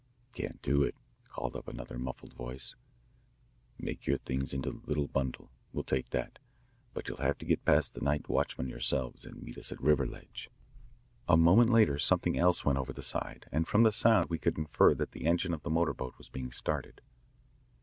"Can't do it," called up another muffled voice. "Make your things into a little bundle. We'll take that, but you'll have to get past the night watchman yourselves and meet us at Riverledge." A moment later something else went over the side, and from the sound we could infer that the engine of the motor boat was being started.